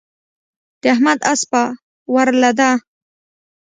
د احمد اسپه ورله ده.